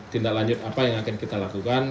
tindak lanjut apa yang akan kita lakukan